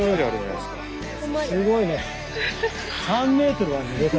すごいね。